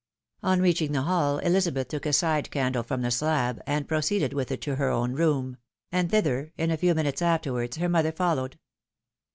On reaching the hall, Elizabeth took a side candle from the slab, and proceeded with it to her own room ; and thither, in a few minutes afterwards, her mother followed.